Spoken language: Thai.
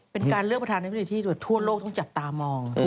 เป็นการเลือกประธานาธิบดีที่ทั่วโลกต้องจับตามอง